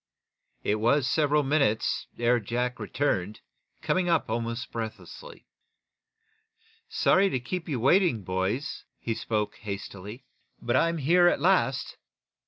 It was several minutes ere Jack returned, coming up almost breathlessly. "Sorry to keep you waiting, boys," he spoke, hastily. "But I'm here at last."